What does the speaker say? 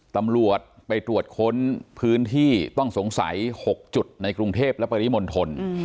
ตำรวจไปตรวจค้นพื้นที่ต้องสงสัย๖จุดในกรุงเทพและปริมณฑล